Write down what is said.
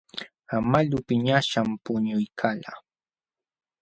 Amalu piñaśhqam puñuykalqa.